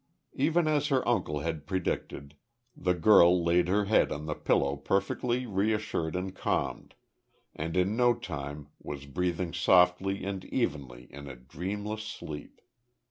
Even as her uncle had predicted, the girl laid her head on the pillow perfectly reassured and calmed, and in no time was breathing softly and evenly in a dreamless sleep.